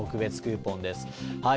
特別クーポンです。